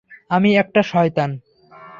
আমি একটা শয়তান।